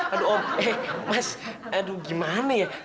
aduh eh mas aduh gimana ya